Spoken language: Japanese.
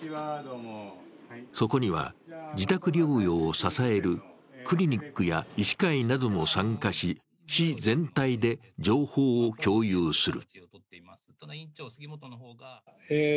そこには自宅療養を支えるクリニックや医師会なども参加し、市全体で情報を共有する。